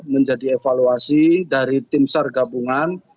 menjadi evaluasi dari tim sargabungan